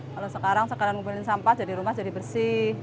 kalau sekarang sekarang ngumpulin sampah jadi rumah jadi bersih